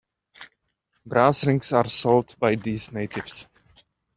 Brass rings are sold by these natives.